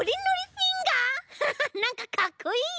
ハハッなんかかっこいい！